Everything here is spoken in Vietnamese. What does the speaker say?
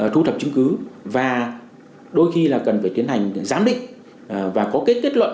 thu thập chứng cứ và đôi khi là cần phải tiến hành giám định và có kết luận